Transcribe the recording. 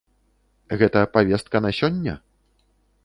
Гэта павестка на сёння?